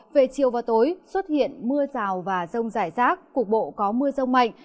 về chiều và tối xuất hiện mưa rào và rông rải rác cục bộ có mưa rông mạnh